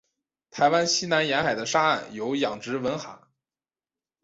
台湾西南沿海的沙岸有养殖文蛤。